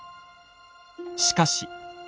しかし。